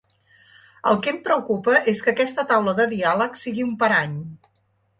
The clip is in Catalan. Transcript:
El que em preocupa és que aquesta taula de diàleg sigui un parany.